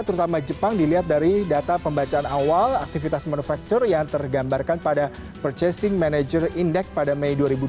terutama jepang dilihat dari data pembacaan awal aktivitas manufaktur yang tergambarkan pada purchasing manager index pada mei dua ribu dua puluh